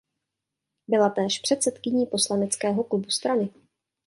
Byla též předsedkyní poslaneckého klubu strany.